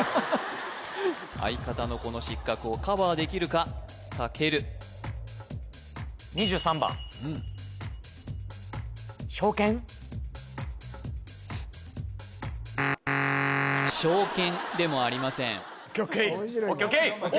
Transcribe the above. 相方のこの失格をカバーできるかたけるしょうけんでもありませんＯＫＯＫ！